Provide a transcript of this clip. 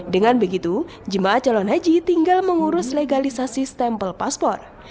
dengan begitu jemaah calon haji tinggal mengurus legalisasi stempel paspor